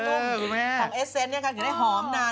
ของเอสเซนท์นี่คะอยู่ได้หอมนาน